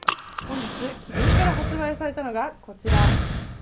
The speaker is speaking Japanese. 本日、キリンから発売されたのが、こちら。